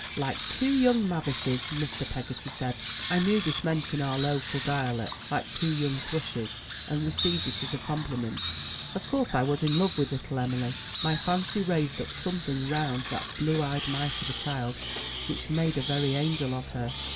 "Like two young mavishes," Mr. Peggotty said. I knew this meant, in our local dialect, like two young thrushes, and received it as a compliment. Of course I was in love with little Em'ly. My fancy raised up something round that blue eyed mite of a child, which made a very angel of her.